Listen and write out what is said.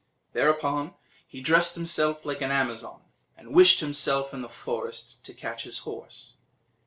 Thereupon, he dressed himself like an Amazon, and wished himself in the forest, to catch his horse.